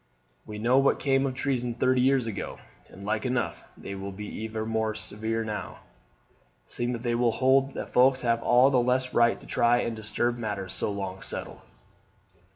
We know what came of treason thirty years ago, and like enough they will be even more severe now, seeing that they will hold that folks have all the less right to try and disturb matters so long settled."